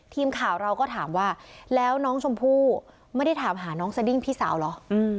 ทีมข่าวเราก็ถามว่าแล้วน้องชมพู่ไม่ได้ถามหาน้องสดิ้งพี่สาวเหรอ